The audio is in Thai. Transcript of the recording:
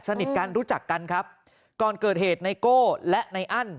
สนิทกันรู้จักกันครับก่อนเกิดเหตุไนโก้และในอั้น